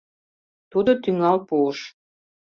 тудо тӱҥал пуыш